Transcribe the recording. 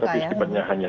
tapi sebenarnya hanya